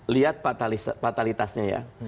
lihat fatalitasnya ya